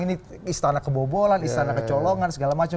ini istana kebobolan istana kecolongan segala macam